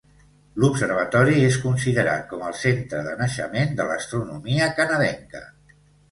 L'observatori és considerat com el centre de naixement de l'astronomia canadenca.